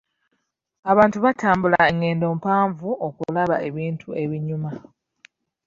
Abantu batambula engendo mpanvu okulaba ebintu ebinyuma.